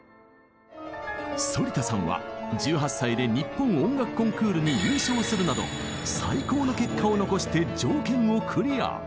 反田さんは１８歳で日本音楽コンクールに優勝するなど最高の結果を残して条件をクリア。